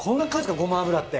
ごま油って。